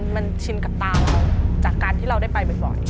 มันชินกับตาเราจากการที่เราได้ไปบ่อย